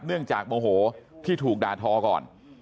เนื่องจากโมโหที่ถูกด่าทอก่อน